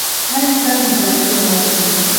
هر انسان د درناوي وړ دی.